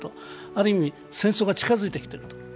ある意味、戦争が近づいてきている。